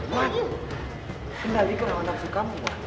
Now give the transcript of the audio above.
wan kendalikan orang asli kamu wan